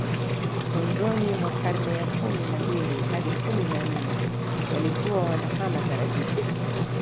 Mwanzoni mwa karne ya kumi na mbili hadi kumi na nne walikuwa wanahama taratibu